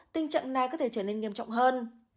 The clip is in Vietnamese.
tình trạng này có thể trở nên nghiêm trọng hơn